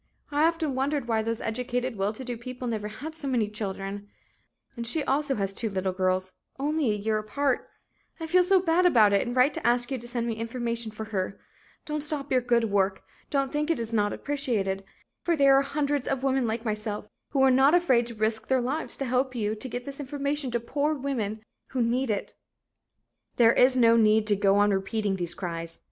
I often wondered why those educated well to do people never had so many children. I have one married daughter who is tubercular, and she also has two little girls, only a year apart. I feel so bad about it, and write to ask you to send me information for her. Don't stop your good work; don't think it's not appreciated; for there are hundreds of women like myself who are not afraid to risk their lives to help you to get this information to poor women who need it." There is no need to go on repeating these cries.